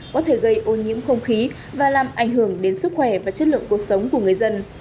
có thể gây ô nhiễm không khí và làm ảnh hưởng đến sức khỏe và chất lượng cuộc sống của người dân